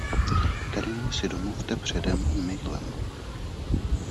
Termín si domluvte předem emailem.